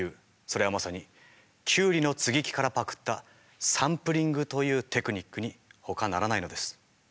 それはまさにキュウリの接ぎ木からパクったサンプリングというテクニックにほかならないのです。